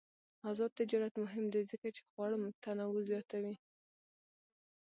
آزاد تجارت مهم دی ځکه چې خواړه تنوع زیاتوي.